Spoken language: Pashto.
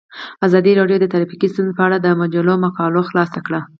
ازادي راډیو د ټرافیکي ستونزې په اړه د مجلو مقالو خلاصه کړې.